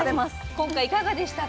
今回いかがでしたか？